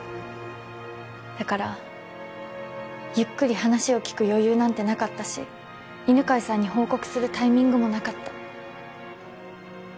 だからゆっくり話を聞く余裕なんてなかったし犬飼さんに報告するタイミングもなかった。